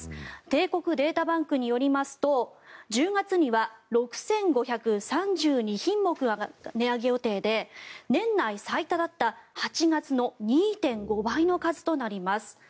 帝国データバンクによりますと１０月には６５３２品目が値上げ予定で年内最多だった８月の２．５倍の数となります。